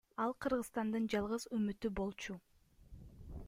Ал Кыргызстандын жалгыз үмүтү болчу.